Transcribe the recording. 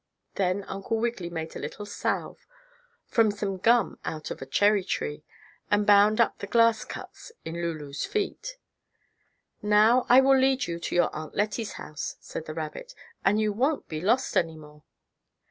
Then Uncle Wiggily made a little salve, from some gum out of a cherry tree, and bound up the glass cuts on Lulu's feet. "Now, I will lead you to your Aunt Lettie's house," said the rabbit, "and you won't be lost any more."